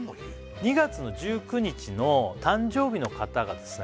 ２月の１９日の誕生日の方がですね